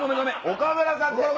岡村さん！